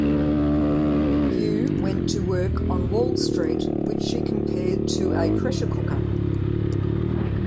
Yu went to work on Wall Street, which she compared to a pressure cooker.